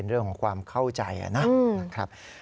เรื่องของความเข้าใจนะครับ